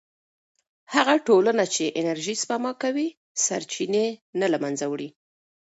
هغه ټولنه چې انرژي سپما کوي، سرچینې نه له منځه وړي.